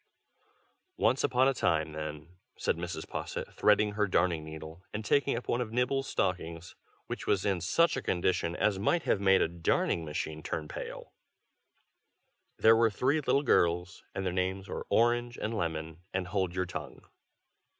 "Once upon a time, then," said Mrs. Posset, threading her darning needle, and taking up one of Nibble's stockings, which was in such a condition as might have made a darning machine turn pale, "there were three little girls, and their names were Orange and Lemon and Hold your tongue.